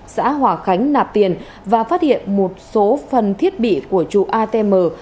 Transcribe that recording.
xã hòa khánh nạp tiền và phát hiện một số phần thiết bị của trụ atm